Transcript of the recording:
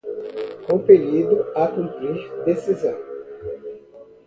compelido a cumprir decisão